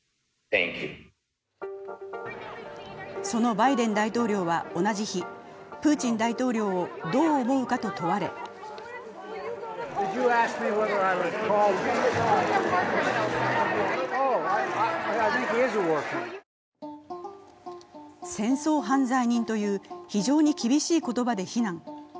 そのバイデン大統領は同じ日、プーチン大統領をどう思うかと問われ戦争犯罪人という非常に厳しい言葉で非難。